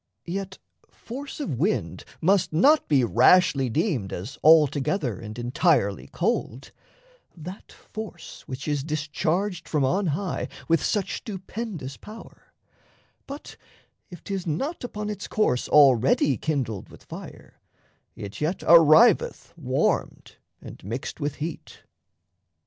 Yet force of wind must not be rashly deemed As altogether and entirely cold That force which is discharged from on high With such stupendous power; but if 'tis not Upon its course already kindled with fire, It yet arriveth warmed and mixed with heat.